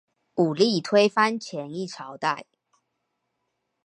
武力推翻前一朝代